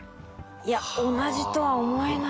いや同じとは思えない。